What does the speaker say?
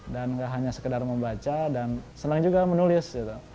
dan gak hanya sekedar membaca dan senang juga menulis gitu